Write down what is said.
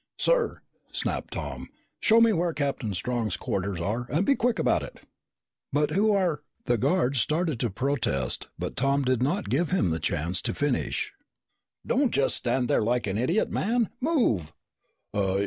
"Sir!" snapped Tom. "Show me where Captain Strong's quarters are and be quick about it!" "But who are ?" The guard started to protest, but Tom did not give him the chance to finish. "Don't stand there like an idiot, man! _Move!